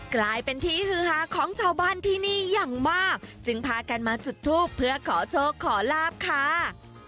กลายเป็นที่ฮือฮาของชาวบ้านที่นี่อย่างมากจึงพากันมาจุดทูปเพื่อขอโชคขอลาบค่ะ